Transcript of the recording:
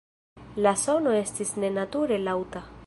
La sono estis nenature laŭta.